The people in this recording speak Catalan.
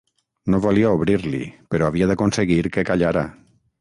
No volia obrir-li però havia d'aconseguir que callara.